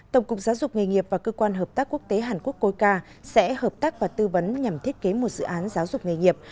tổng cục giáo dục nghề nghiệp và cơ quan hợp tác quốc tế hàn quốc coica sẽ hợp tác và tư vấn nhằm thiết kế một dự án giáo dục nghề nghiệp